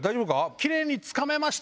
「キレイにつかめました」。